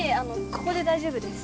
ここで大丈夫です